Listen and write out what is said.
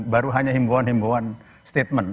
baru hanya himbauan himbauan statement